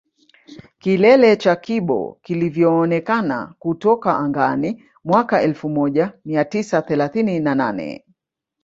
Kilele cha Kibo kilivyoonekana kutoka angani mwaka elfu moja mia tisa thelathini na nane